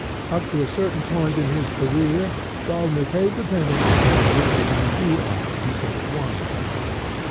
Up to a certain point in his career Wagner paid the penalty of undertaking two arts instead of one.